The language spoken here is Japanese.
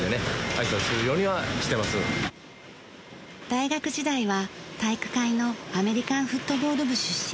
大学時代は体育会のアメリカンフットボール部出身。